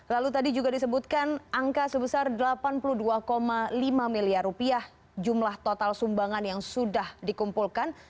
lalu tadi juga disebutkan angka sebesar delapan puluh dua lima miliar rupiah jumlah total sumbangan yang sudah dikumpulkan